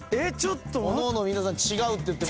おのおの皆さん違うって言ってますね。